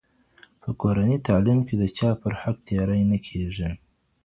په کورني تعلیم کي د چا پر حق تېری نه کېږي.